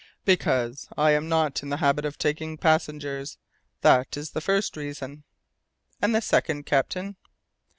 "Because I am not in the habit of taking passengers. That is the first reason." "And the second, captain?"